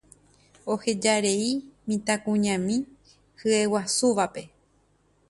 Ohejarei mitãkuñami hyeguasúvape.